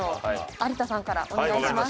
有田さんからお願いします。